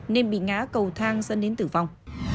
nên bị ngã cầu thang dẫn đến tử vong